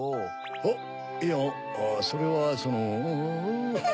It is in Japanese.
あっいやそれはその。